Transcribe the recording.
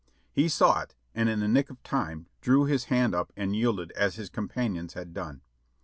He saw it and in the nick of time threw his hand up and yielded as his companions had done.